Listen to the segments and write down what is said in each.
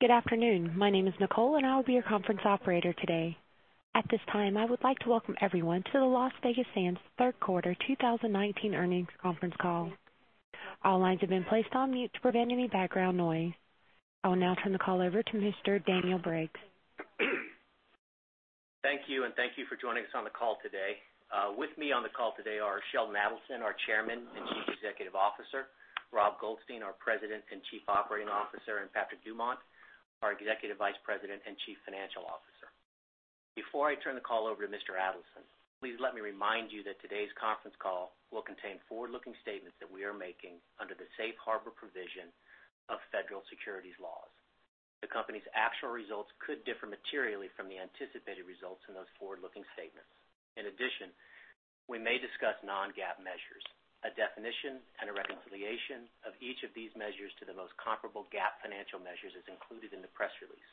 Good afternoon. My name is Nicole, and I will be your conference operator today. At this time, I would like to welcome everyone to the Las Vegas Sands third quarter 2019 earnings conference call. All lines have been placed on mute to prevent any background noise. I will now turn the call over to Mr. Daniel Briggs. Thank you. Thank you for joining us on the call today. With me on the call today are Sheldon Adelson, our Chairman and Chief Executive Officer, Rob Goldstein, our President and Chief Operating Officer, and Patrick Dumont, our Executive Vice President and Chief Financial Officer. Before I turn the call over to Mr. Adelson, please let me remind you that today's conference call will contain forward-looking statements that we are making under the safe harbor provision of federal securities laws. The company's actual results could differ materially from the anticipated results in those forward-looking statements. We may discuss non-GAAP measures. A definition and a reconciliation of each of these measures to the most comparable GAAP financial measures is included in the press release.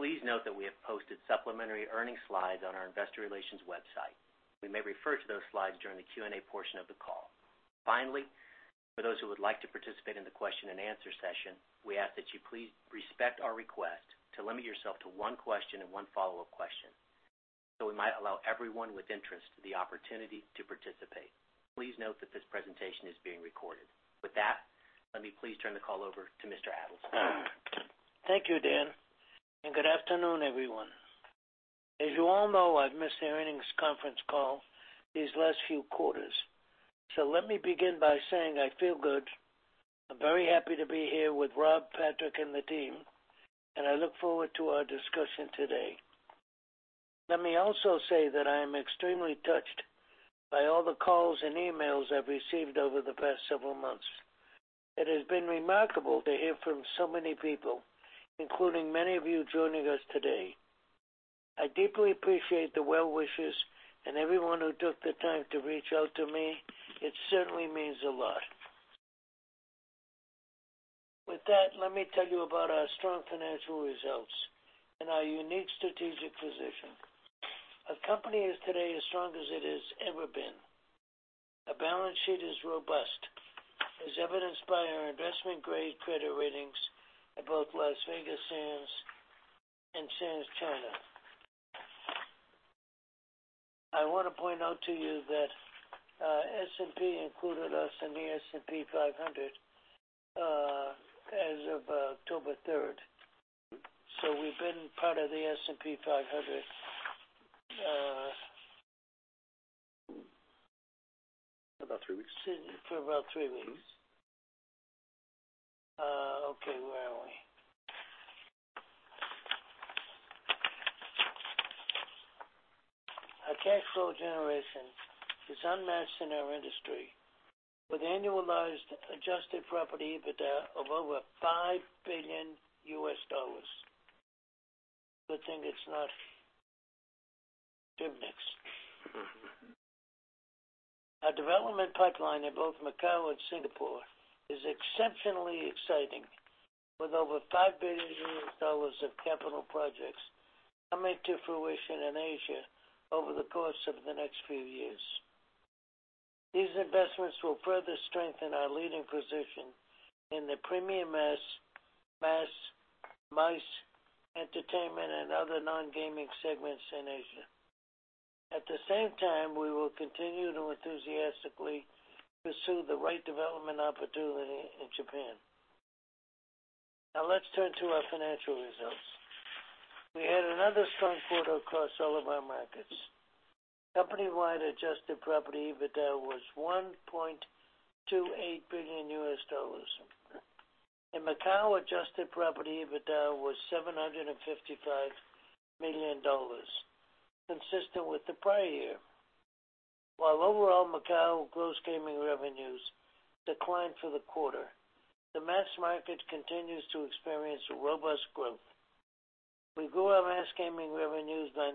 Please note that we have posted supplementary earnings slides on our investor relations website. We may refer to those slides during the Q&A portion of the call. Finally, for those who would like to participate in the question and answer session, we ask that you please respect our request to limit yourself to one question and one follow-up question so we might allow everyone with interest the opportunity to participate. Please note that this presentation is being recorded. With that, let me please turn the call over to Mr. Adelson. Thank you, Dan. Good afternoon, everyone. As you all know, I've missed the earnings conference call these last few quarters. Let me begin by saying I feel good. I'm very happy to be here with Rob, Patrick, and the team. I look forward to our discussion today. Let me also say that I am extremely touched by all the calls and emails I've received over the past several months. It has been remarkable to hear from so many people, including many of you joining us today. I deeply appreciate the well wishes and everyone who took the time to reach out to me. It certainly means a lot. With that, let me tell you about our strong financial results and our unique strategic position. Our company is today as strong as it has ever been. Our balance sheet is robust, as evidenced by our investment-grade credit ratings at both Las Vegas Sands and Sands China. I want to point out to you that S&P included us in the S&P 500 as of October 3rd. We've been part of the S&P 500. About three weeks. For about three weeks. Okay, where are we? Our cash flow generation is unmatched in our industry, with annualized adjusted property EBITDA of over $5 billion. Good thing it's not gimmicks. Our development pipeline in both Macau and Singapore is exceptionally exciting, with over $5 billion of capital projects coming to fruition in Asia over the course of the next few years. These investments will further strengthen our leading position in the premium mass, MICE, entertainment, and other non-gaming segments in Asia. At the same time, we will continue to enthusiastically pursue the right development opportunity in Japan. Now let's turn to our financial results. We had another strong quarter across all of our markets. Company-wide adjusted property EBITDA was $1.28 billion. In Macau, adjusted property EBITDA was $755 million, consistent with the prior year. While overall Macau gross gaming revenues declined for the quarter, the mass market continues to experience robust growth. We grew our mass gaming revenues by 9%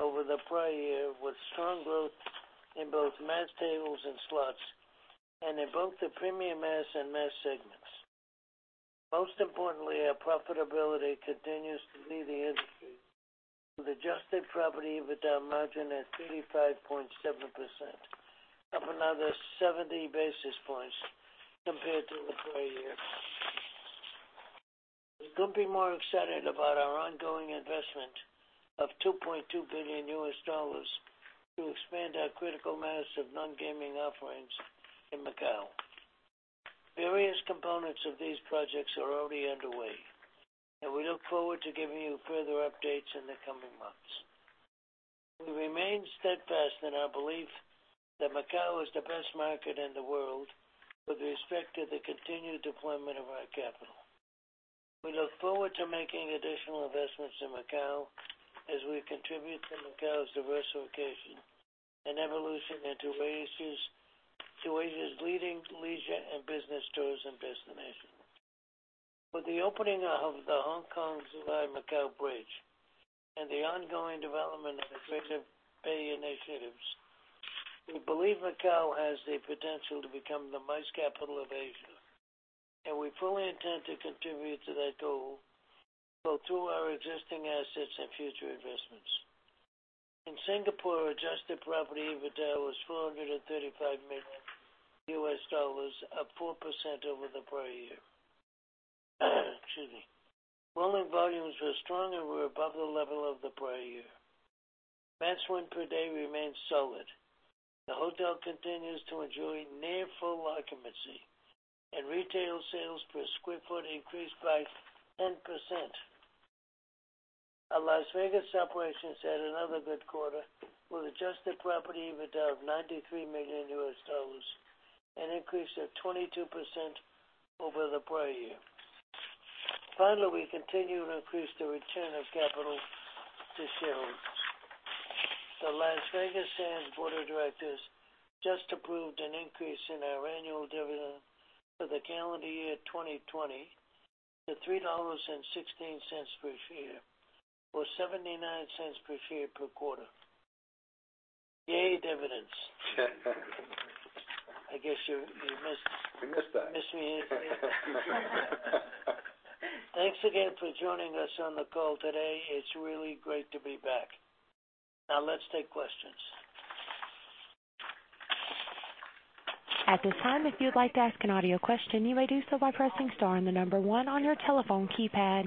over the prior year, with strong growth in both mass tables and slots and in both the premium mass and mass segments. Most importantly, our profitability continues to lead the industry with adjusted property EBITDA margin at 35.7%, up another 70 basis points compared to the prior year. We couldn't be more excited about our ongoing investment of $2.2 billion to expand our critical mass of non-gaming offerings in Macau. Various components of these projects are already underway, and we look forward to giving you further updates in the coming months. We remain steadfast in our belief that Macau is the best market in the world with respect to the continued deployment of our capital. We look forward to making additional investments in Macau as we contribute to Macau's diversification and evolution into Asia's leading leisure and business tourism destination. With the opening of the Hong Kong-Zhuhai-Macau bridge and the ongoing development of the Greater Bay Area initiatives, we believe Macau has the potential to become the MICE capital of Asia, and we fully intend to contribute to that goal both through our existing assets and future investments. In Singapore, adjusted property EBITDA was $435 million, up 4% over the prior year. Excuse me. Rolling volumes were strong and were above the level of the prior year. Mass win per day remains solid. The hotel continues to enjoy near full occupancy, and retail sales per square foot increased by 10%. Our Las Vegas operations had another good quarter with adjusted property EBITDA of $93 million, an increase of 22% over the prior year. Finally, we continue to increase the return of capital to shareholders. The Las Vegas Sands Board of Directors just approved an increase in our annual dividend for the calendar year 2020 to $3.16 per share, or $0.79 per share per quarter. Yay. Dividends. I guess you missed. We missed that. Missed me. Thanks again for joining us on the call today. It's really great to be back. Now let's take questions. At this time, if you'd like to ask an audio question, you may do so by pressing star and the number one on your telephone keypad.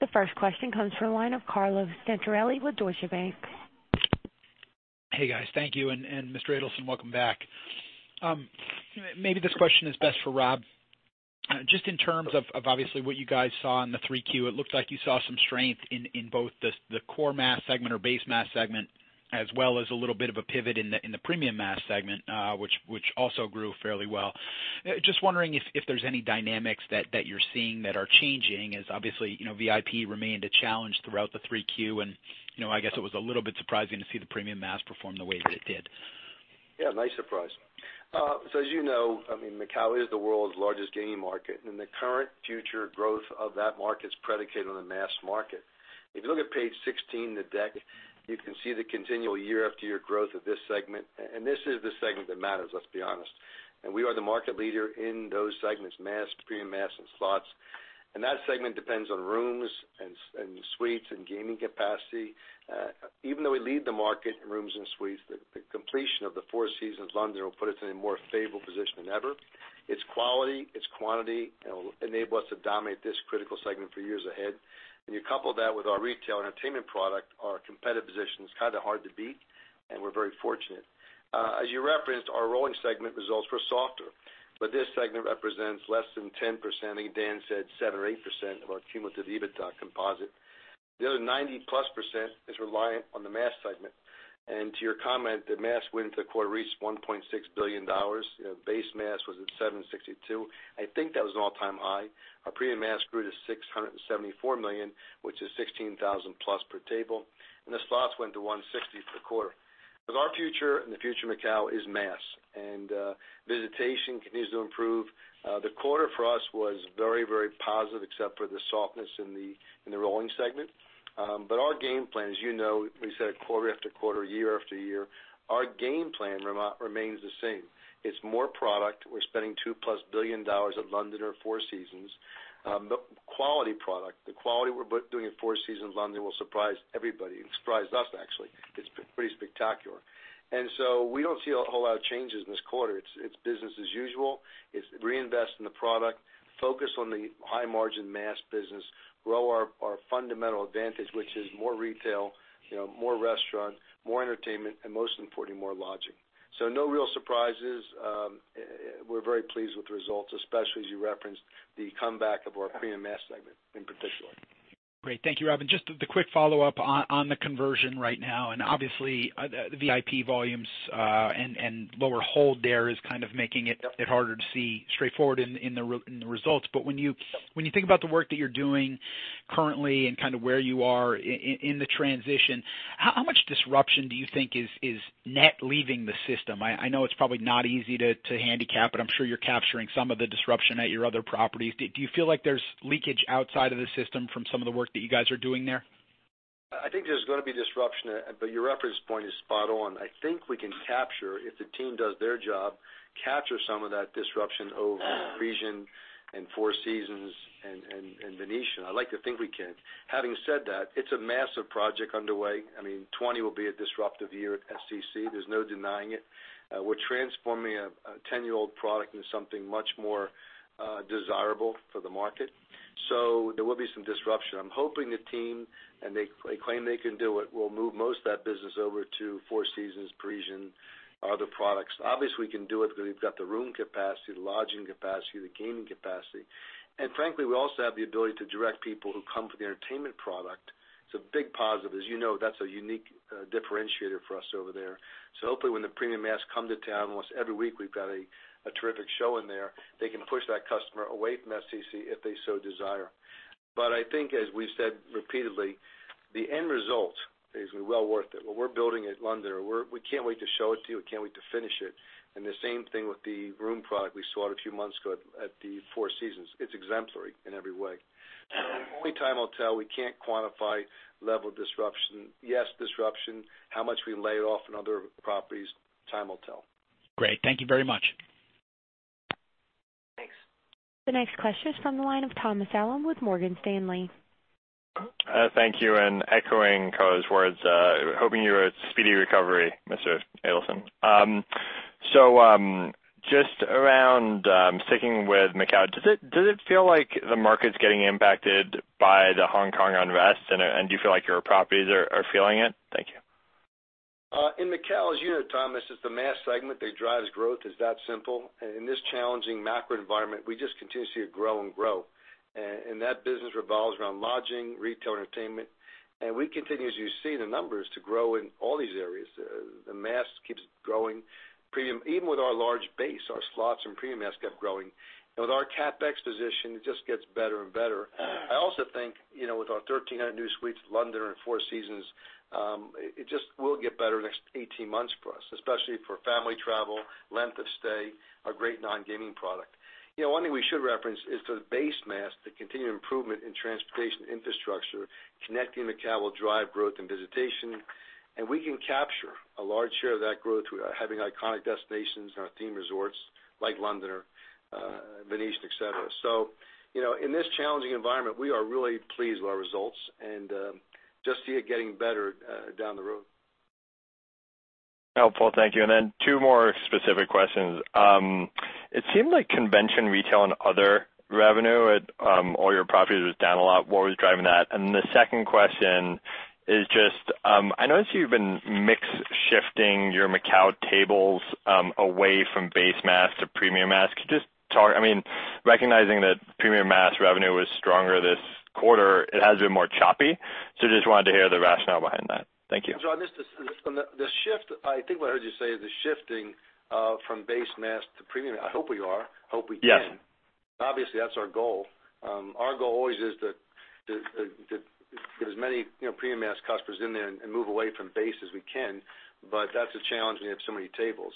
The first question comes from the line of Carlo Santarelli with Deutsche Bank. Hey, guys. Thank you. Mr. Adelson, welcome back. Maybe this question is best for Rob. Just in terms of obviously what you guys saw in the 3Q, it looks like you saw some strength in both the core mass segment or base mass segment, as well as a little bit of a pivot in the premium mass segment, which also grew fairly well. Just wondering if there's any dynamics that you're seeing that are changing, as obviously VIP remained a challenge throughout the 3Q, and I guess it was a little bit surprising to see the premium mass perform the way that it did. Yeah, nice surprise. As you know, Macau is the world's largest gaming market, and the current future growth of that market is predicated on the mass market. If you look at page 16, the deck, you can see the continual year after year growth of this segment, this is the segment that matters, let's be honest. We are the market leader in those segments, mass, premium mass, and slots. That segment depends on rooms and suites and gaming capacity. Even though we lead the market in rooms and suites, the completion of the Four Seasons Hotel Macao will put us in a more favorable position than ever. Its quality, its quantity, it will enable us to dominate this critical segment for years ahead. When you couple that with our retail entertainment product, our competitive position is kind of hard to beat, and we are very fortunate. As you referenced, our rolling segment results were softer, this segment represents less than 10%. I think Dan said 7% or 8% of our cumulative EBITDA composite. The other 90-plus percent is reliant on the mass segment. To your comment, the mass win for the quarter reached $1.6 billion. Base mass was at $762. I think that was an all-time high. Our premium mass grew to $674 million, which is +16,000 plus per table. The slots went to $160 for the quarter. Our future and the future of Macau is mass, and visitation continues to improve. The quarter for us was very, very positive except for the softness in the rolling segment. Our game plan, as you know, we said quarter after quarter, year after year, our game plan remains the same. It's more product. We're spending $2-plus billion at The Londoner Macao or Four Seasons Hotel Macao. Quality product, the quality we're doing at Four Seasons, London, will surprise everybody. It surprised us, actually. It's pretty spectacular. We don't see a whole lot of changes in this quarter. It's business as usual. It's reinvest in the product, focus on the high margin mass business, grow our fundamental advantage, which is more retail, more restaurant, more entertainment, and most importantly, more lodging. No real surprises. We're very pleased with the results, especially as you referenced the comeback of our premium mass segment in particular. Great. Thank you, Rob. Just the quick follow-up on the conversion right now, and obviously, VIP volumes and lower hold there is kind of making it harder to see straightforward in the results. When you think about the work that you're doing currently and kind of where you are in the transition, how much disruption do you think is net leaving the system? I know it's probably not easy to handicap, but I'm sure you're capturing some of the disruption at your other properties. Do you feel like there's leakage outside of the system from some of the work that you guys are doing there? I think there's going to be disruption, but your reference point is spot on. I think we can capture, if the team does their job, capture some of that disruption over at Parisian and Four Seasons and Venetian. I'd like to think we can. Having said that, it's a massive project underway. 2020 will be a disruptive year at SCC. There's no denying it. We're transforming a 10-year-old product into something much more desirable for the market. So there will be some disruption. I'm hoping the team, and they claim they can do it, will move most of that business over to Four Seasons, Parisian, other products. Obviously, we can do it because we've got the room capacity, the lodging capacity, the gaming capacity. And frankly, we also have the ability to direct people who come for the entertainment product. It's a big positive. As you know, that's a unique differentiator for us over there. Hopefully, when the premium mass come to town, almost every week, we've got a terrific show in there. They can push that customer away from SCC if they so desire. I think as we've said repeatedly, the end result is well worth it. What we're building at London, we can't wait to show it to you. We can't wait to finish it. The same thing with the room product we saw a few months ago at the Four Seasons. It's exemplary in every way. Only time will tell. We can't quantify level of disruption. Yes, disruption, how much we lay it off in other properties, time will tell. Great. Thank you very much. Thanks. The next question is from the line of Thomas Allen with Morgan Stanley. Thank you. Echoing Nicole's words, hoping you a speedy recovery, Mr. Adelson. Just around, sticking with Macau, does it feel like the market's getting impacted by the Hong Kong unrest, and do you feel like your properties are feeling it? Thank you. In Macau, as you know, Thomas, it's the mass segment that drives growth. It's that simple. In this challenging macro environment, we just continue to grow and grow. That business revolves around lodging, retail, entertainment, and we continue, as you see in the numbers, to grow in all these areas. The mass keeps growing. Even with our large base, our slots and premium mass kept growing. With our CapEx position, it just gets better and better. I also think, with our 1,300 new suites, Londoner and Four Seasons, it just will get better the next 18 months for us, especially for family travel, length of stay, our great non-gaming product. One thing we should reference is the base mass, the continued improvement in transportation infrastructure connecting Macau will drive growth and visitation, and we can capture a large share of that growth. We are having iconic destinations in our theme resorts, like Londoner, Venetian, et cetera. In this challenging environment, we are really pleased with our results and just see it getting better down the road. Helpful. Thank you. Then two more specific questions. It seemed like convention retail and other revenue at all your properties was down a lot. What was driving that? The second question is just, I notice you've been mix shifting your Macau tables away from base mass to premium mass. I mean, recognizing that premium mass revenue was stronger this quarter, it has been more choppy. Just wanted to hear the rationale behind that. Thank you. On the shift, I think what I heard you say is the shifting from base mass to premium. I hope we are. Hope we can. Yes. Obviously, that's our goal. Our goal always is to get as many premium mass customers in there and move away from base as we can. That's a challenge when you have so many tables.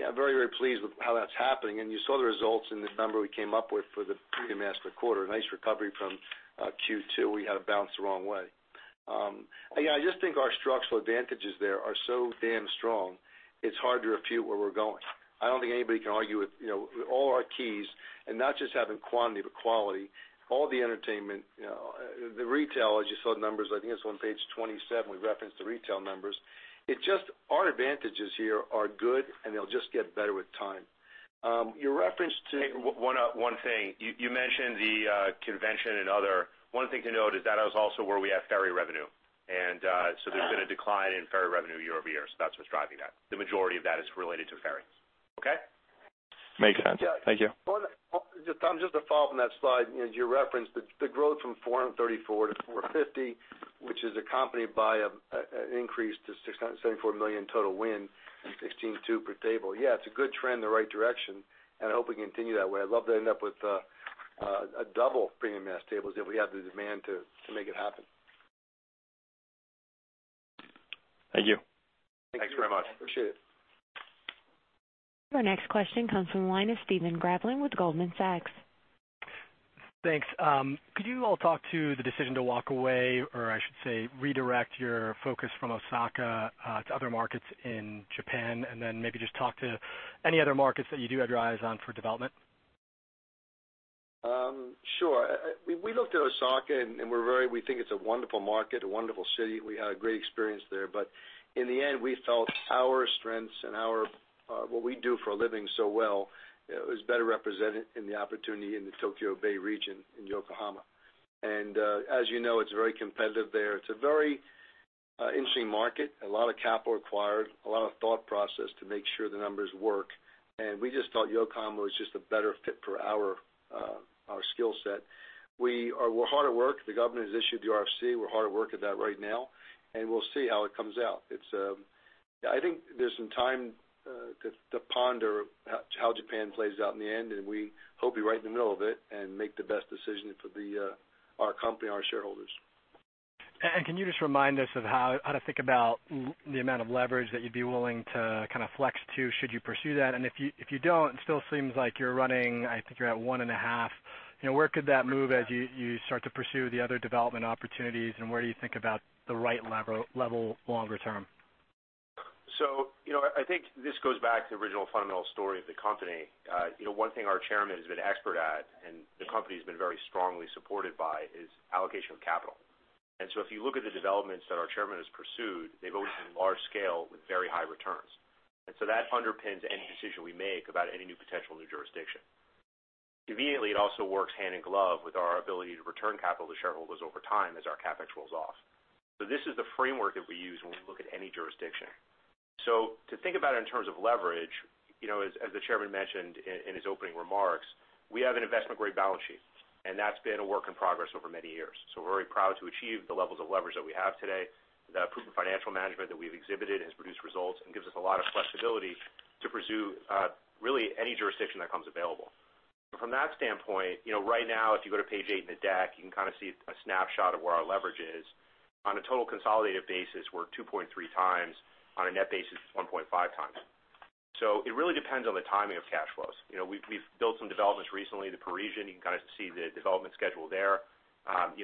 I'm very, very pleased with how that's happening, and you saw the results in this number we came up with for the premium mass per quarter. Nice recovery from Q2. We had it bounce the wrong way. I just think our structural advantages there are so damn strong, it's hard to refute where we're going. I don't think anybody can argue with all our keys and not just having quantity, but quality, all the entertainment, the retail, as you saw the numbers, I think it's on page 27, we referenced the retail numbers. Our advantages here are good, and they'll just get better with time. One thing. You mentioned the convention and other. One thing to note is that was also where we have ferry revenue. There's been a decline in ferry revenue year-over-year. That's what's driving that. The majority of that is related to ferries. Okay? Makes sense. Thank you. Tom, just to follow up on that slide, as you referenced the growth from 434 to 450, which is accompanied by an increase to $674 million total win, 16.2 per table. Yeah, it's a good trend in the right direction, and I hope we can continue that way. I'd love to end up with a double premium mass tables if we have the demand to make it happen. Thank you. Thanks very much. Appreciate it. Our next question comes from the line of Stephen Grambling with Goldman Sachs. Thanks. Could you all talk to the decision to walk away, or I should say redirect your focus from Osaka to other markets in Japan, and then maybe just talk to any other markets that you do have your eyes on for development? Sure. We looked at Osaka, and we think it's a wonderful market, a wonderful city. We had a great experience there. In the end, we felt our strengths and what we do for a living so well is better represented in the opportunity in the Tokyo Bay region, in Yokohama. As you know, it's very competitive there. It's a very interesting market, a lot of capital required, a lot of thought process to make sure the numbers work, and we just thought Yokohama was just a better fit for our skill set. We're hard at work. The government has issued the RFP. We're hard at work at that right now, and we'll see how it comes out. I think there's some time to ponder how Japan plays out in the end, and we hope to be right in the middle of it and make the best decision for our company and our shareholders. Can you just remind us of how to think about the amount of leverage that you'd be willing to kind of flex to should you pursue that? If you don't, it still seems like you're running, I think you're at 1.5. Where could that move as you start to pursue the other development opportunities, and where do you think about the right level longer term? I think this goes back to the original fundamental story of the company. One thing our Chairman has been expert at, and the company has been very strongly supported by, is allocation of capital. If you look at the developments that our Chairman has pursued, they've always been large scale with very high returns. That underpins any decision we make about any new potential new jurisdiction. Immediately, it also works hand in glove with our ability to return capital to shareholders over time as our CapEx rolls off. This is the framework that we use when we look at any jurisdiction. To think about it in terms of leverage, as the Chairman mentioned in his opening remarks, we have an investment-grade balance sheet, and that's been a work in progress over many years. We're very proud to achieve the levels of leverage that we have today. The proven financial management that we've exhibited has produced results and gives us a lot of flexibility to pursue really any jurisdiction that comes available. From that standpoint, right now, if you go to page eight in the deck, you can kind of see a snapshot of where our leverage is. On a total consolidated basis, we're 2.3 times. On a net basis, it's 1.5 times. It really depends on the timing of cash flows. We've built some developments recently, The Parisian, you can kind of see the development schedule there.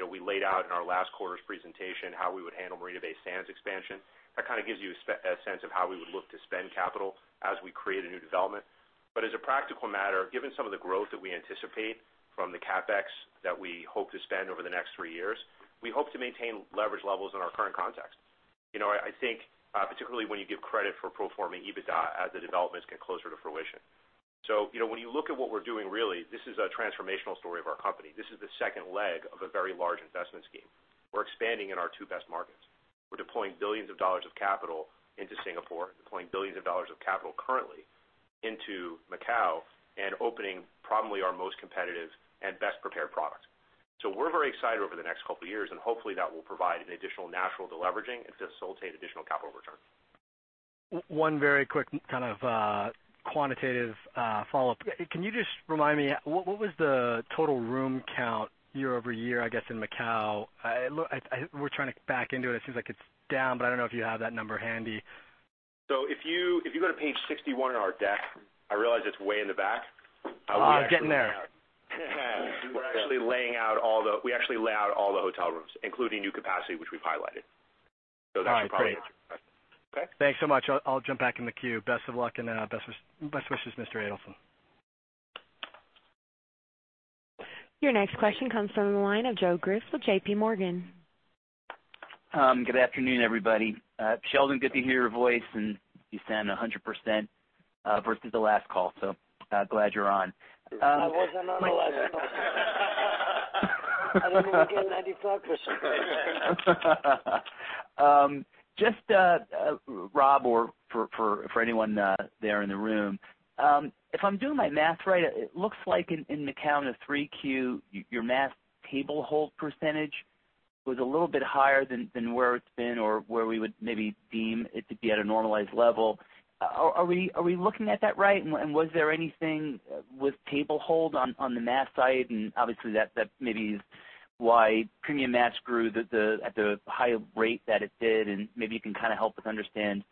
We laid out in our last quarter's presentation how we would handle Marina Bay Sands expansion. That kind of gives you a sense of how we would look to spend capital as we create a new development. As a practical matter, given some of the growth that we anticipate from the CapEx that we hope to spend over the next 3 years, we hope to maintain leverage levels in our current context. I think, particularly when you give credit for pro forma EBITDA, as the developments get closer to fruition. When you look at what we're doing, really, this is a transformational story of our company. This is the second leg of a very large investment scheme. We're expanding in our two best markets. We're deploying $ billions of capital into Singapore, deploying $ billions of capital currently into Macau, and opening probably our most competitive and best-prepared product. We're very excited over the next couple of years, and hopefully that will provide an additional natural deleveraging and facilitate additional capital returns. One very quick kind of quantitative follow-up. Can you just remind me, what was the total room count year-over-year, I guess, in Macau? We're trying to back into it. It seems like it's down, but I don't know if you have that number handy. If you go to page 61 in our deck, I realize it's way in the back. getting there. We actually lay out all the hotel rooms, including new capacity, which we've highlighted. All right, great. Okay? Thanks so much. I'll jump back in the queue. Best of luck, and best wishes, Mr. Adelson. Your next question comes from the line of Joe Greff with JPMorgan Chase. Good afternoon, everybody. Sheldon, good to hear your voice, and you sound 100% versus the last call, so glad you're on. I wasn't on the last call. I think I only get 95%. Just, Rob, or for anyone there in the room, if I'm doing my math right, it looks like in Macau, in the 3Q, your mass table hold % was a little bit higher than where it's been or where we would maybe deem it to be at a normalized level. Are we looking at that right? Was there anything with table hold on the mass side? Obviously, that maybe is why premium mass grew at the high rate that it did, and maybe you can kind of help us understand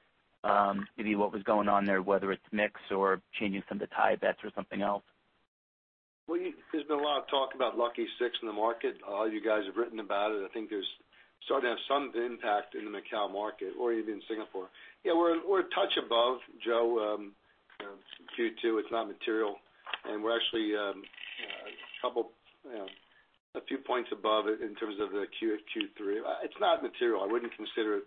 maybe what was going on there, whether it's mix or changing some of the tie bets or something else. Well, there's been a lot of talk about Lucky 6 in the market. All you guys have written about it. I think there's starting to have some impact in the Macau market or even Singapore. Yeah, we're a touch above, Joe. Q2, it's not material. We're actually a few points above it in terms of Q3. It's not material. I wouldn't consider it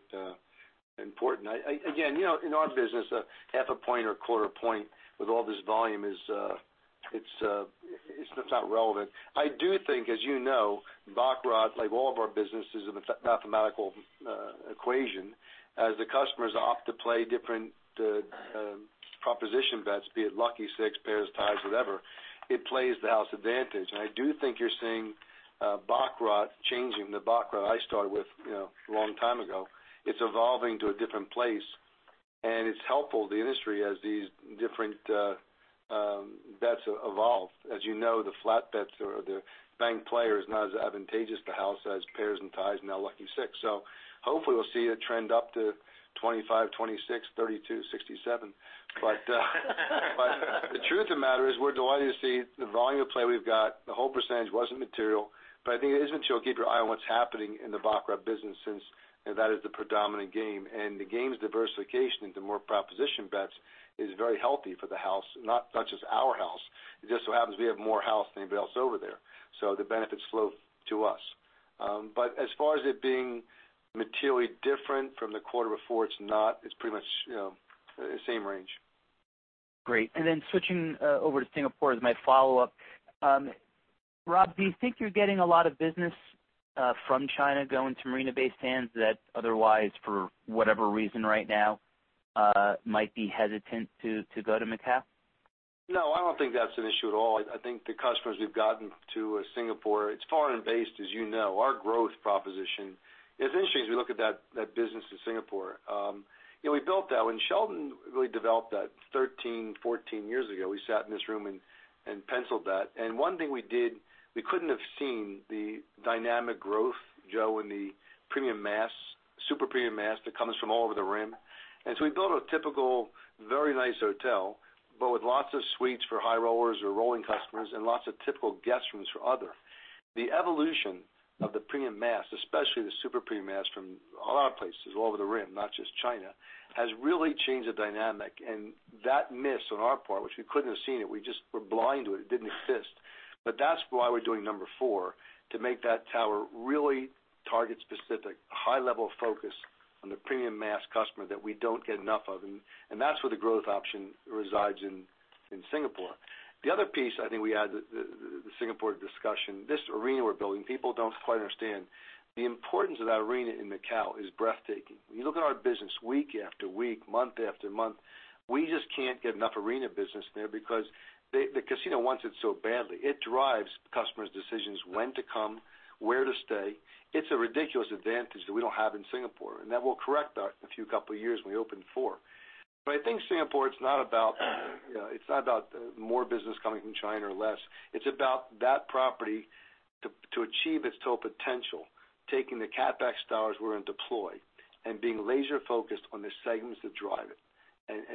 important. Again, in our business, a half a point or a quarter point with all this volume is not relevant. I do think, as you know, baccarat, like all of our businesses, is a mathematical equation. As the customers opt to play different proposition bets, be it Lucky 6, pairs, ties, whatever, it plays to house advantage. I do think you're seeing baccarat changing. The baccarat I started with a long time ago, it's evolving to a different place, and it's helpful, the industry, as these different bets evolve. As you know, the flat bets or the bank player is not as advantageous to house as pairs and ties, now Lucky 6. Hopefully we'll see it trend up to 25, 26, 32, 67. The truth of the matter is we're delighted to see the volume of play we've got. The whole percentage wasn't material, but I think it is until you keep your eye on what's happening in the baccarat business, since that is the predominant game. The game's diversification into more proposition bets is very healthy for the house, not just our house. It just so happens we have more house than anybody else over there, so the benefits flow to us. As far as it being materially different from the quarter before, it's not. It's pretty much the same range. Great. Then switching over to Singapore as my follow-up. Rob, do you think you're getting a lot of business from China going to Marina Bay Sands that otherwise, for whatever reason right now, might be hesitant to go to Macau? No, I don't think that's an issue at all. I think the customers we've gotten to Singapore, it's foreign-based as you know. Our growth proposition, it's interesting as we look at that business in Singapore. We built that. When Sheldon really developed that 13, 14 years ago, we sat in this room and penciled that. One thing we did, we couldn't have seen the dynamic growth, Joe, in the premium mass, super premium mass, that comes from all over the rim. We built a typical, very nice hotel, but with lots of suites for high rollers or rolling customers and lots of typical guest rooms for other. The evolution of the premium mass, especially the super premium mass from a lot of places all over the rim, not just China, has really changed the dynamic. That miss on our part, which we couldn't have seen it, we just were blind to it didn't exist. That's why we're doing number 4, to make that tower really target-specific, high level of focus on the premium mass customer that we don't get enough of. That's where the growth option resides in Singapore. The other piece, I think we added the Singapore discussion, this arena we're building, people don't quite understand the importance of that arena in Macau is breathtaking. When you look at our business week after week, month after month, we just can't get enough arena business there because the casino wants it so badly. It drives customers' decisions, when to come, where to stay. It's a ridiculous advantage that we don't have in Singapore, that will correct in a few couple of years when we open 4. I think Singapore, it's not about more business coming from China or less. It's about that property to achieve its total potential. Taking the CapEx dollars we're going to deploy and being laser-focused on the segments that drive it.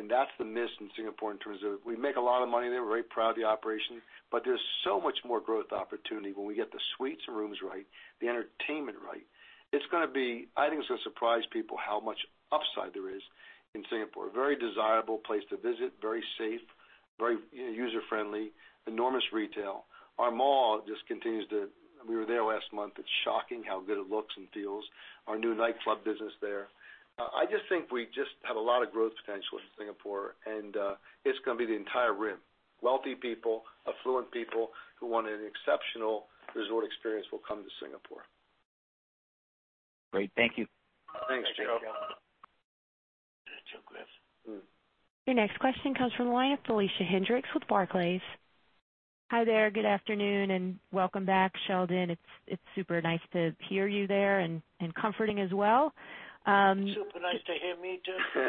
That's the miss in Singapore in terms of, we make a lot of money there. We're very proud of the operation, but there's so much more growth opportunity when we get the suites and rooms right, the entertainment right. I think it's going to surprise people how much upside there is in Singapore. Very desirable place to visit, very safe, very user-friendly, enormous retail. We were there last month. It's shocking how good it looks and feels. Our new nightclub business there. I just think we just have a lot of growth potential in Singapore, and it's going to be the entire rim. Wealthy people, affluent people, who want an exceptional resort experience will come to Singapore. Great. Thank you. Thanks, Joe. Thank you. Your next question comes from the line of Felicia Hendrix with Barclays. Hi there. Good afternoon, and welcome back, Sheldon. It's super nice to hear you there and comforting as well. Super nice to hear me, too.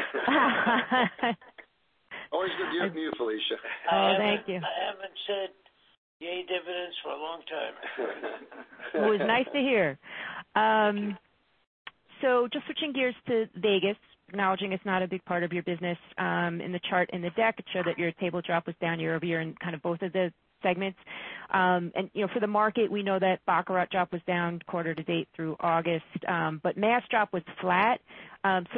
Always good viewing you, Felicia. Oh, thank you. I haven't said, "Yay dividends," for a long time. Well, it's nice to hear. Just switching gears to Vegas, acknowledging it's not a big part of your business. In the chart in the deck, it showed that your table drop was down year-over-year in both of the segments. For the market, we know that baccarat drop was down quarter to date through August, but mass drop was flat.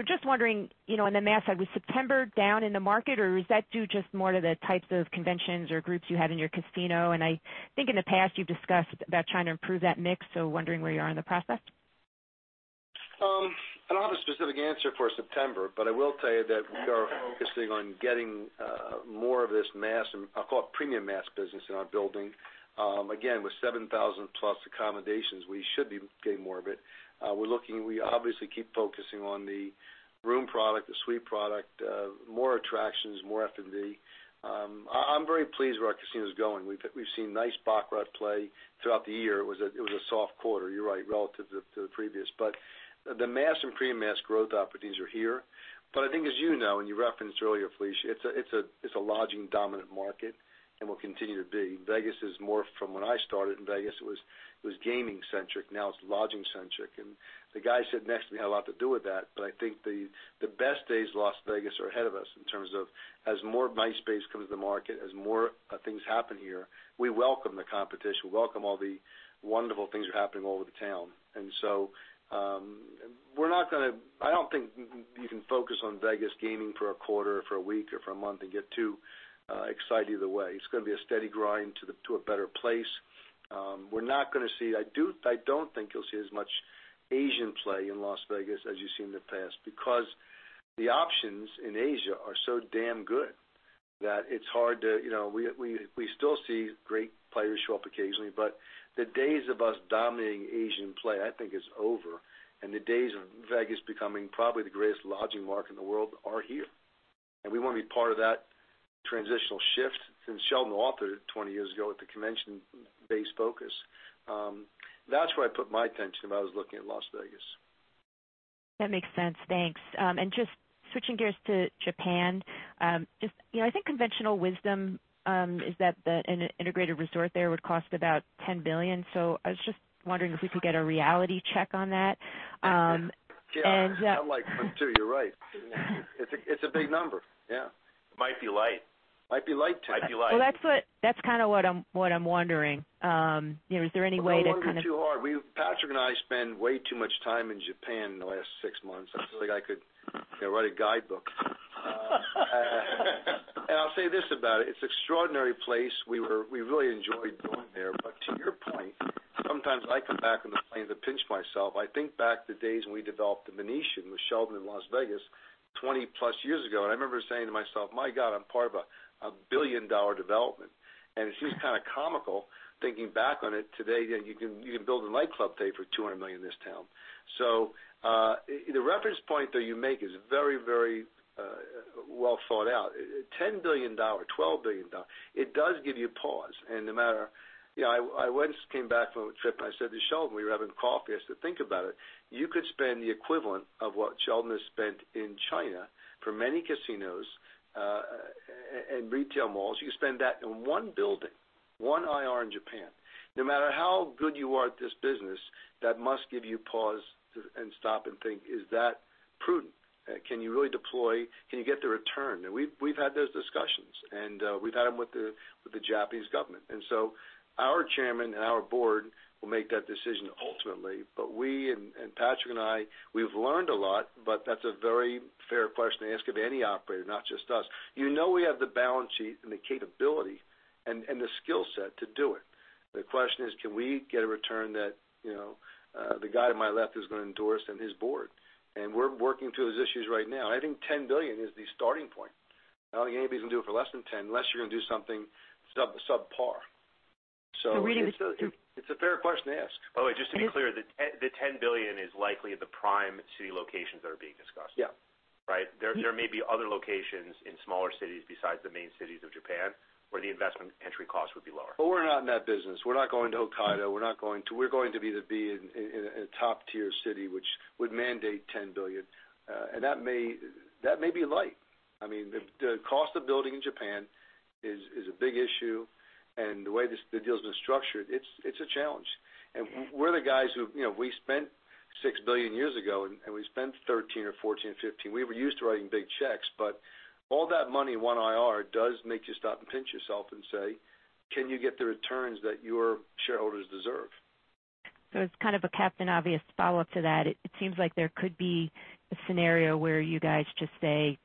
Just wondering, on the mass side, was September down in the market, or is that due just more to the types of conventions or groups you had in your casino? I think in the past you've discussed about trying to improve that mix, wondering where you are in the process. I will tell you that we are focusing on getting more of this mass, and I'll call it premium mass business in our building. With 7,000 plus accommodations, we should be getting more of it. We obviously keep focusing on the room product, the suite product, more attractions, more F&B. I'm very pleased where our casino is going. We've seen nice baccarat play throughout the year. It was a soft quarter, you're right, relative to the previous. The mass and premium mass growth opportunities are here. I think as you know, and you referenced earlier, Felicia, it's a lodging-dominant market and will continue to be. Vegas has morphed from when I started in Vegas, it was gaming centric. Now it's lodging centric. The guy sitting next to me had a lot to do with that. I think the best days of Las Vegas are ahead of us in terms of as more base space comes to the market, as more things happen here, we welcome the competition, welcome all the wonderful things that are happening all over the town. I don't think you can focus on Vegas gaming for a quarter or for a week or for a month and get too excited either way. It's going to be a steady grind to a better place. I don't think you'll see as much Asian play in Las Vegas as you've seen in the past because the options in Asia are so damn good that We still see great players show up occasionally, but the days of us dominating Asian play, I think, is over. The days of Vegas becoming probably the greatest lodging market in the world are here, and we want to be part of that transitional shift since Sheldon Adelson 20 years ago with the convention-based focus. That's where I put my attention when I was looking at Las Vegas. That makes sense. Thanks. Just switching gears to Japan, I think conventional wisdom is that an integrated resort there would cost about $10 billion. I was just wondering if we could get a reality check on that. Yeah. I'd like one, too. You're right. It's a big number. Yeah. It might be light. Might be light. Might be light. Well, that's what I'm wondering. Is there any way to kind of-? Don't worry too hard. Patrick and I spent way too much time in Japan in the last 6 months. I feel like I could write a guidebook. I'll say this about it. It's an extraordinary place. We really enjoyed going there. To your point, sometimes I come back on the plane to pinch myself. I think back to the days when we developed the Venetian with Sheldon in Las Vegas 20+ years ago, I remember saying to myself, "My God, I'm part of a billion-dollar development." It seems kind of comical thinking back on it today that you can build a nightclub today for $200 million in this town. The reference point, though, you make is very well thought out. $10 billion, $12 billion, it does give you pause. I once came back from a trip, and I said to Sheldon, we were having coffee. I said, "Think about it. You could spend the equivalent of what Sheldon has spent in China for many casinos and retail malls. You could spend that in one building, one IR in Japan." No matter how good you are at this business, that must give you pause and stop and think, is that prudent? Can you really deploy? Can you get the return. We've had those discussions, and we've had them with the Japanese government. Our chairman and our board will make that decision ultimately. We, and Patrick and I, we've learned a lot, but that's a very fair question to ask of any operator, not just us. You know we have the balance sheet and the capability and the skill set to do it. The question is, can we get a return that the guy to my left is going to endorse and his board? We're working through those issues right now. I think $10 billion is the starting point. I don't think anybody's going to do it for less than $10, unless you're going to do something subpar. It's a fair question to ask. By the way, just to be clear, the $10 billion is likely the prime city locations that are being discussed. Yeah. Right? There may be other locations in smaller cities besides the main cities of Japan where the investment entry cost would be lower. We're not in that business. We're not going to Hokkaido. We're going to be the bee in a top-tier city, which would mandate $10 billion, and that may be light. I mean, the cost of building in Japan is a big issue, and the way the deal's been structured, it's a challenge. We're the guys who we spent $6 billion years ago, and we spent $13 billion or $14 billion or $15 billion. We were used to writing big checks, all that money in one IR does make you stop and pinch yourself and say, "Can you get the returns that your shareholders deserve? It's kind of a Captain Obvious follow-up to that. It seems like there could be a scenario where you guys just say,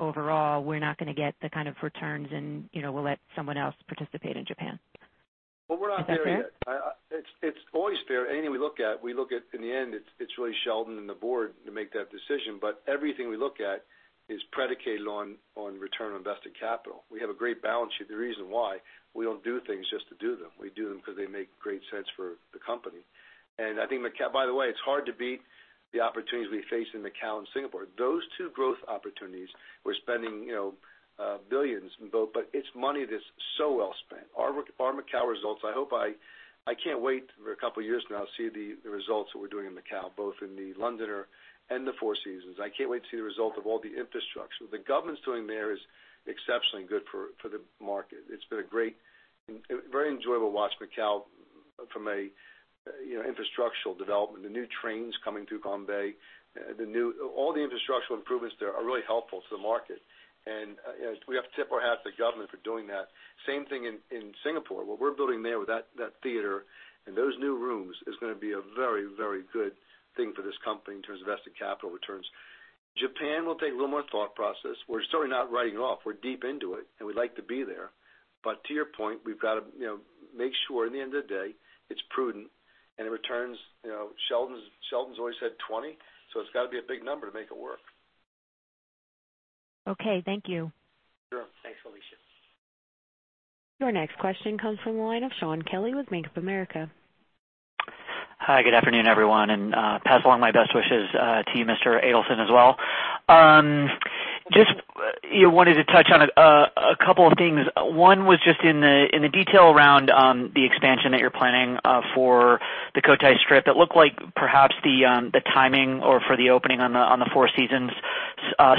"Overall, we're not going to get the kind of returns, and we'll let someone else participate in Japan. Well, we're not there yet. Is that fair? It's always fair. Anything we look at, in the end, it's really Sheldon and the board to make that decision. Everything we look at is predicated on return on invested capital. We have a great balance sheet. The reason why we don't do things just to do them, we do them because they make great sense for the company. I think Macao-- by the way, it's hard to beat the opportunities we face in Macao and Singapore. Those two growth opportunities, we're spending billions in both, but it's money that's so well spent. Our Macao results, I can't wait for two years from now, see the results that we're doing in Macao, both in The Londoner and the Four Seasons. I can't wait to see the result of all the infrastructure. What the government's doing there is exceptionally good for the market. It's been a great and very enjoyable to watch Macao from a infrastructural development. The new trains coming through Gongbei, all the infrastructural improvements there are really helpful to the market, and we have to tip our hat to the government for doing that. Same thing in Singapore. What we're building there with that theater and those new rooms is going to be a very good thing for this company in terms of invested capital returns. Japan will take a little more thought process. We're certainly not writing it off. We're deep into it, and we'd like to be there. To your point, we've got to make sure at the end of the day it's prudent and it returns. Sheldon's always said 20, so it's got to be a big number to make it work. Okay. Thank you. Sure. Thanks, Felicia. Your next question comes from the line of Shaun Kelley with Bank of America. Hi, good afternoon, everyone. Pass along my best wishes to you, Mr. Adelson, as well. Just wanted to touch on a couple of things. One was just in the detail around the expansion that you're planning for the Cotai Strip. That looked like perhaps the timing or for the opening on the Four Seasons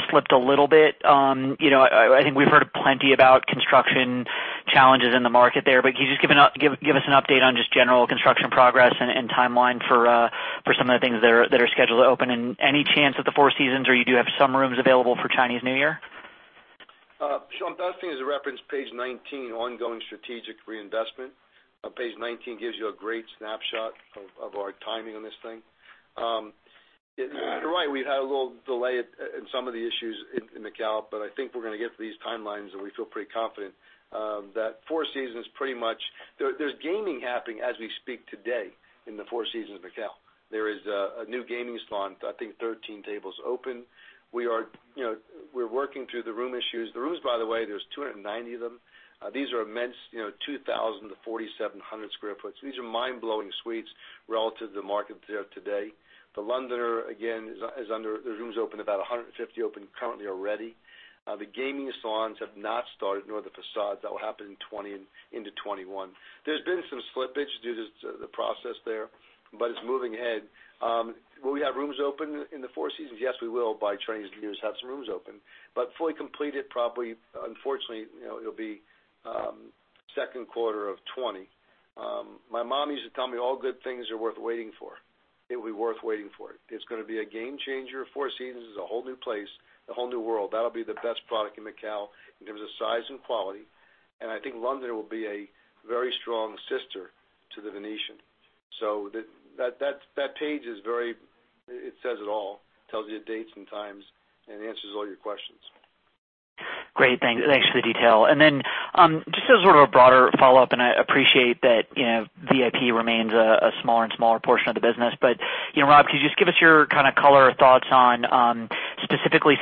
slipped a little bit. I think we've heard plenty about construction challenges in the market there. Can you just give us an update on just general construction progress and timeline for some of the things that are scheduled to open? Any chance that the Four Seasons or you do have some rooms available for Chinese New Year? Shaun, best thing is to reference page 19, ongoing strategic reinvestment. Page 19 gives you a great snapshot of our timing on this thing. You're right, we've had a little delay in some of the issues in Macao, but I think we're going to get to these timelines, and we feel pretty confident that Four Seasons pretty much there's gaming happening as we speak today in the Four Seasons Macao. There is a new gaming salon, I think 13 tables open. We're working through the room issues. The rooms, by the way, there's 290 of them. These are immense, 2,000 to 4,700 sq ft. These are mind-blowing suites relative to the market there today. The Londoner, again, the rooms open, about 150 open currently already. The gaming salons have not started, nor the facade. That will happen in 2020 into 2021. There's been some slippage due to the process there, but it's moving ahead. Will we have rooms open in the Four Seasons? Yes, we will, by Chinese New Year have some rooms open, but fully completed probably, unfortunately, it'll be second quarter of 2020. My mom used to tell me all good things are worth waiting for. It will be worth waiting for. It's going to be a game changer. Four Seasons is a whole new place, a whole new world. That'll be the best product in Macau in terms of size and quality, and I think London will be a very strong sister to The Venetian. That page, it says it all. Tells you dates and times and answers all your questions. Great. Thanks for the detail. Just as sort of a broader follow-up, I appreciate that VIP remains a smaller and smaller portion of the business. Rob, could you just give us your kind of color or thoughts on specifically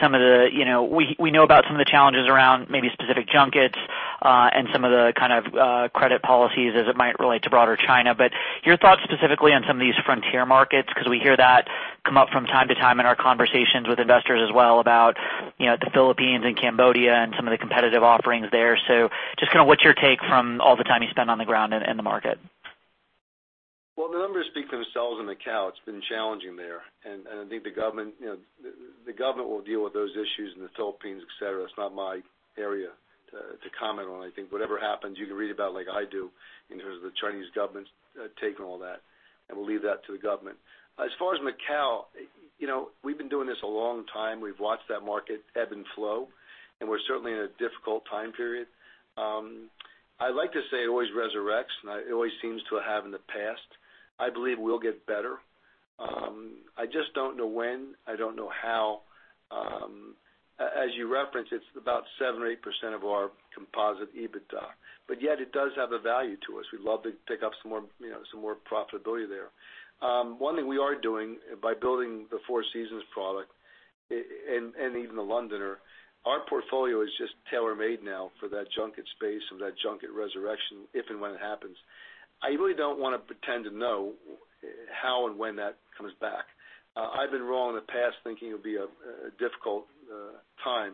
we know about some of the challenges around maybe specific junkets, and some of the kind of credit policies as it might relate to broader China. Your thoughts specifically on some of these frontier markets, because we hear that come up from time to time in our conversations with investors as well about the Philippines and Cambodia and some of the competitive offerings there. Just kind of what's your take from all the time you spend on the ground in the market? Well, the numbers speak for themselves in Macau. It's been challenging there, and I think the government will deal with those issues in the Philippines, et cetera. It's not my area to comment on. I think whatever happens, you can read about like I do in terms of the Chinese government's take on all that, and we'll leave that to the government. As far as Macau, we've been doing this a long time. We've watched that market ebb and flow, and we're certainly in a difficult time period. I like to say it always resurrects, and it always seems to have in the past. I believe we'll get better. I just don't know when. I don't know how. As you referenced, it's about 7% or 8% of our composite EBITDA, but yet it does have a value to us. We'd love to pick up some more profitability there. One thing we are doing by building the Four Seasons product and even The Londoner, our portfolio is just tailor-made now for that junket space and that junket resurrection if and when it happens. I really don't want to pretend to know how and when that comes back. I've been wrong in the past thinking it would be a difficult Time.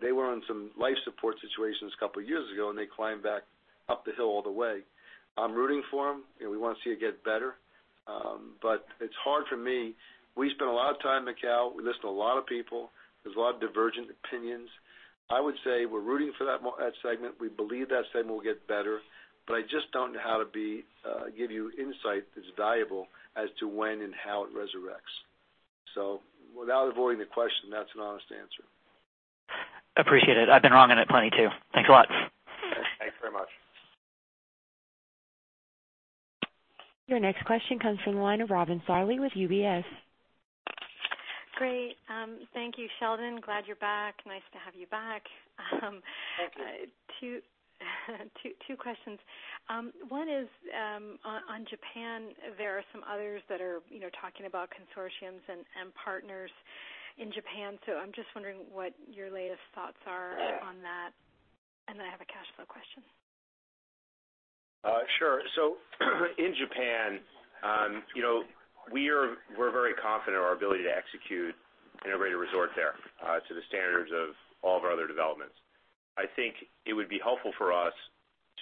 They were on some life support situations a couple of years ago, and they climbed back up the hill all the way. I'm rooting for them, and we want to see it get better. It's hard for me. We spent a lot of time in Macau. We listened to a lot of people. There's a lot of divergent opinions. I would say we're rooting for that segment. We believe that segment will get better, but I just don't know how to give you insight that's valuable as to when and how it resurrects. Without avoiding the question, that's an honest answer. Appreciate it. I've been wrong on it plenty too. Thanks a lot. Thanks very much. Your next question comes from the line of Robin Farley with UBS. Great. Thank you, Sheldon. Glad you're back. Nice to have you back. Thank you. Two questions. One is on Japan. There are some others that are talking about consortiums and partners in Japan. I'm just wondering what your latest thoughts are on that. I have a cash flow question. Sure. In Japan, we're very confident in our ability to execute an integrated resort there to the standards of all of our other developments. I think it would be helpful for us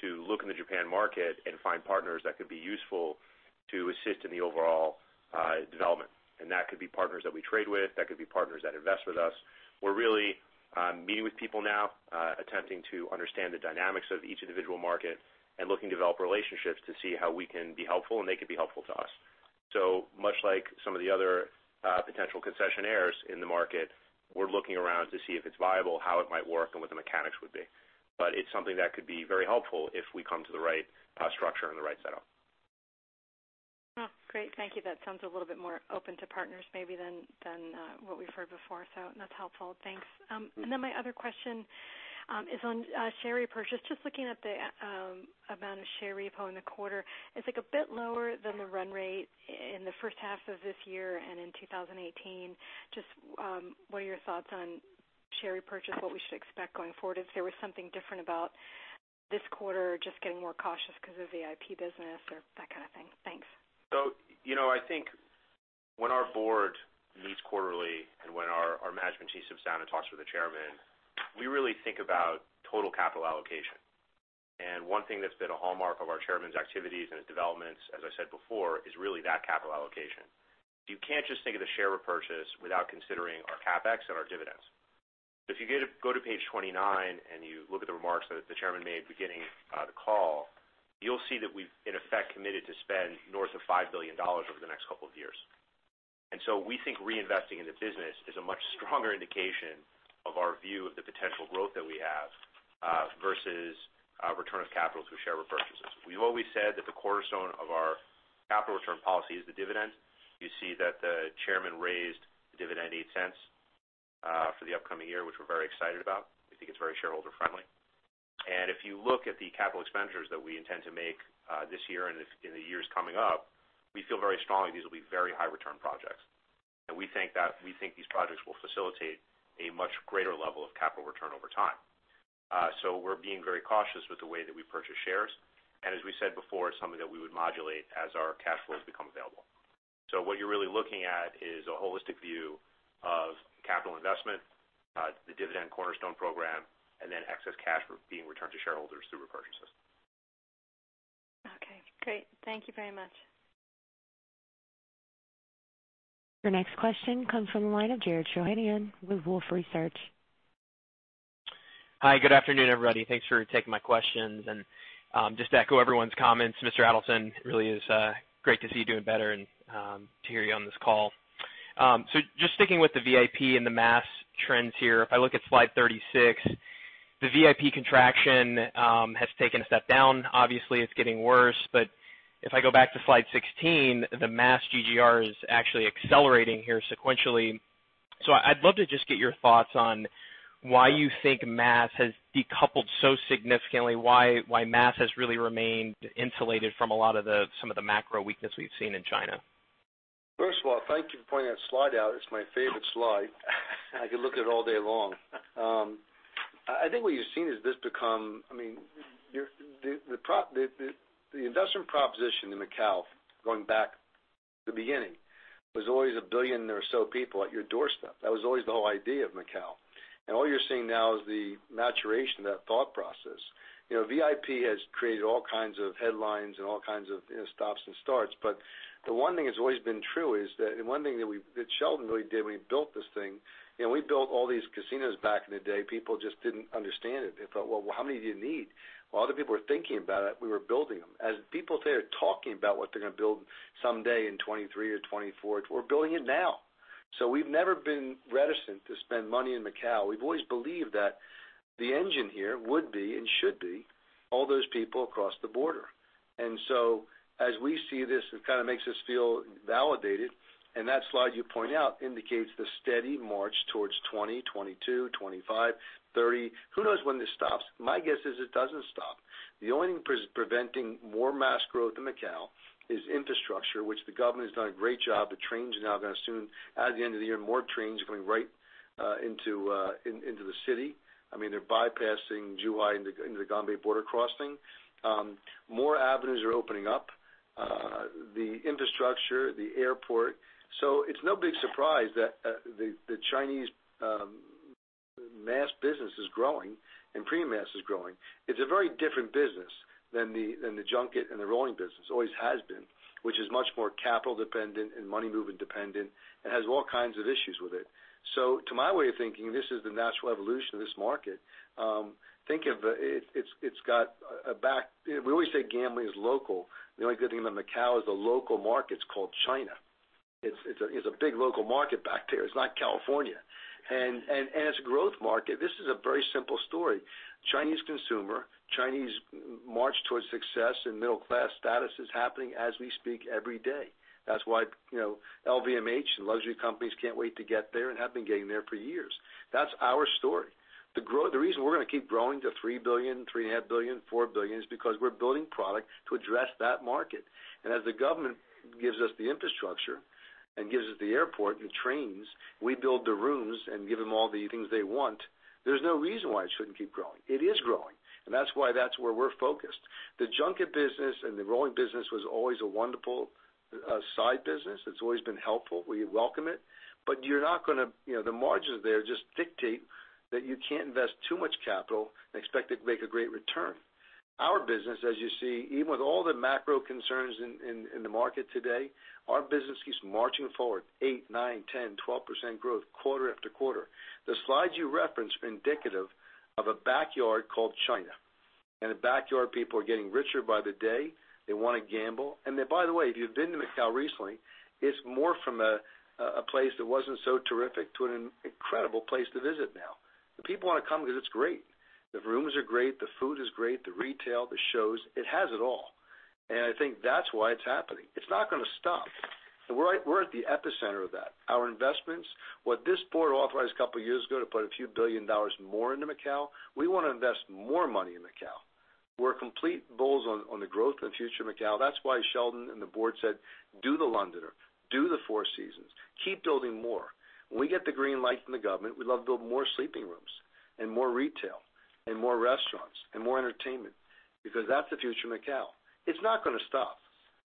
to look in the Japan market and find partners that could be useful to assist in the overall development. That could be partners that we trade with, that could be partners that invest with us. We're really meeting with people now, attempting to understand the dynamics of each individual market and looking to develop relationships to see how we can be helpful and they can be helpful to us. Much like some of the other potential concessionaires in the market, we're looking around to see if it's viable, how it might work, and what the mechanics would be. It's something that could be very helpful if we come to the right structure and the right setup. Great. Thank you. That sounds a little bit more open to partners maybe than what we've heard before. That's helpful. Thanks. My other question is on share repurchase. Just looking at the amount of share repo in the quarter, it's a bit lower than the run rate in the first half of this year and in 2018. Just what are your thoughts on share repurchase, what we should expect going forward if there was something different about this quarter just getting more cautious because of VIP business or that kind of thing? Thanks. I think when our board meets quarterly and when our management team sits down and talks with the Chairman, we really think about total capital allocation. One thing that's been a hallmark of our Chairman's activities and his developments, as I said before, is really that capital allocation. You can't just think of the share repurchase without considering our CapEx and our dividends. If you go to page 29 and you look at the remarks that the Chairman made beginning the call, you'll see that we've, in effect, committed to spend north of $5 billion over the next couple of years. We think reinvesting in the business is a much stronger indication of our view of the potential growth that we have versus return of capital through share repurchases. We've always said that the cornerstone of our capital return policy is the dividend. You see that the Chairman raised the dividend $0.08 for the upcoming year, which we're very excited about. We think it's very shareholder-friendly. If you look at the capital expenditures that we intend to make this year and in the years coming up, we feel very strongly these will be very high return projects. We think these projects will facilitate a much greater level of capital return over time. We're being very cautious with the way that we purchase shares. As we said before, it's something that we would modulate as our cash flows become available. What you're really looking at is a holistic view of capital investment, the dividend cornerstone program, and then excess cash being returned to shareholders through repurchases. Okay, great. Thank you very much. Your next question comes from the line of Jared Shojaian with Wolfe Research. Hi, good afternoon, everybody. Thanks for taking my questions and just to echo everyone's comments, Mr. Adelson, really is great to see you doing better and to hear you on this call. Just sticking with the VIP and the mass trends here. If I look at slide 36, the VIP contraction has taken a step down. Obviously, it's getting worse. If I go back to slide 16, the mass GGR is actually accelerating here sequentially. I'd love to just get your thoughts on why you think mass has decoupled so significantly. Why mass has really remained insulated from a lot of some of the macro weakness we've seen in China. First of all, thank you for pointing that slide out. It's my favorite slide. I could look at it all day long. I think what you've seen is the investment proposition in Macau, going back to the beginning, was always 1 billion or so people at your doorstep. That was always the whole idea of Macau. VIP has created all kinds of headlines and all kinds of stops and starts. The one thing that's always been true is that, and one thing that Sheldon really did when he built this thing, we built all these casinos back in the day, people just didn't understand it. They thought, "Well, how many do you need?" While other people were thinking about it, we were building them. As people sit there talking about what they're going to build someday in 2023 or 2024, we're building it now. We've never been reticent to spend money in Macau. We've always believed that the engine here would be and should be all those people across the border. As we see this, it kind of makes us feel validated. That slide you point out indicates the steady march towards 20, 22, 25, 30. Who knows when this stops? My guess is it doesn't stop. The only thing preventing more mass growth in Macau is infrastructure, which the government has done a great job. The trains are now going to soon, at the end of the year, more trains are coming right into the city. They're bypassing Zhuhai into the Gongbei border crossing. More avenues are opening up. The infrastructure, the airport. It's no big surprise that the Chinese mass business is growing and premium mass is growing. It's a very different business than the junket and the rolling business, always has been, which is much more capital-dependent and money movement-dependent and has all kinds of issues with it. To my way of thinking, this is the natural evolution of this market. We always say gambling is local. The only good thing about Macau is the local market's called China. It's a big local market back there. It's not California. As a growth market, this is a very simple story. Chinese consumer, Chinese march towards success and middle-class status is happening as we speak every day. That's why LVMH and luxury companies can't wait to get there and have been getting there for years. That's our story. The reason we're going to keep growing to $3 billion, $3.5 billion, $4 billion is because we're building product to address that market. As the government gives us the infrastructure and gives us the airport and the trains, we build the rooms and give them all the things they want, there's no reason why it shouldn't keep growing. It is growing, and that's why that's where we're focused. The junket business and the rolling business was always a wonderful side business. It's always been helpful. We welcome it, but the margins there just dictate that you can't invest too much capital and expect it to make a great return. Our business, as you see, even with all the macro concerns in the market today, our business keeps marching forward, 8%, 9%, 10%, 12% growth quarter after quarter. The slides you referenced are indicative of a backyard called China. In the backyard, people are getting richer by the day. They want to gamble. By the way, if you've been to Macau recently, it's more from a place that wasn't so terrific to an incredible place to visit now. The people want to come because it's great. The rooms are great, the food is great, the retail, the shows, it has it all. I think that's why it's happening. It's not going to stop. We're at the epicenter of that. Our investments, what this board authorized a couple of years ago to put a few billion dollars more into Macau, we want to invest more money in Macau. We're complete bulls on the growth and future of Macau. That's why Sheldon and the board said, "Do The Londoner, do The Four Seasons, keep building more." When we get the green light from the government, we'd love to build more sleeping rooms and more retail and more restaurants and more entertainment, because that's the future of Macau. It's not going to stop.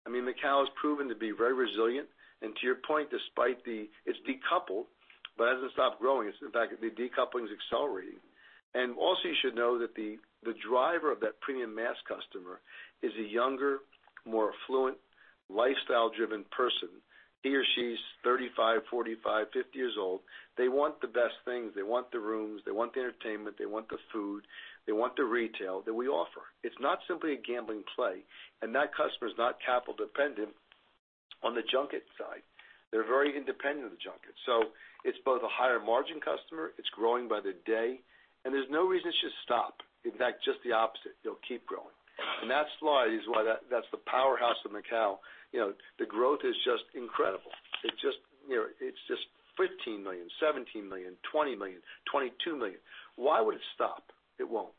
Macau has proven to be very resilient, and to your point, it's decoupled, but it hasn't stopped growing. In fact, the decoupling is accelerating. Also, you should know that the driver of that premium mass customer is a younger, more affluent, lifestyle-driven person. He or she's 35, 45, 50 years old. They want the best things. They want the rooms, they want the entertainment, they want the food, they want the retail that we offer. It's not simply a gambling play, and that customer is not capital-dependent on the junket side. They're very independent of the junket. It's both a higher-margin customer, it's growing by the day, and there's no reason it should stop. In fact, just the opposite. It'll keep growing. That slide is why that's the powerhouse of Macau. The growth is just incredible. It's just $15 million, $17 million, $20 million, $22 million. Why would it stop? It won't.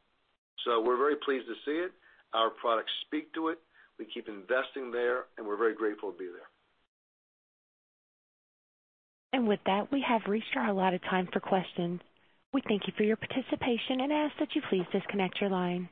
We're very pleased to see it. Our products speak to it. We keep investing there, and we're very grateful to be there. With that, we have reached our allotted time for questions. We thank you for your participation and ask that you please disconnect your line.